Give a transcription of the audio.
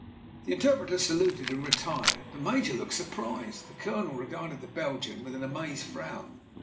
The interpreter saluted and retired, the Major looked surprised, the Colonel regarded the Belgian with an amazed frown.